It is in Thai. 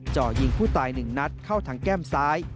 เจาะยิงผู้ตายหนึ่งนัดเข้าทางแก้มซ้าย